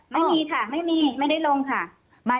ไม่มีค่ะไม่มีไม่ได้ลงค่ะ